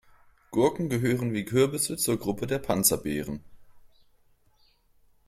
Gurken gehören wie Kürbisse zur Gruppe der Panzerbeeren.